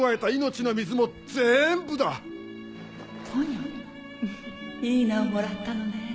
フフいい名をもらったのねぇ。